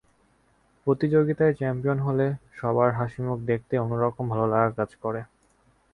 প্রতিযোগিতায় চ্যাম্পিয়ন হলে সবার হাসিমুখ দেখতেই অন্য রকম ভালোলাগা কাজ করে।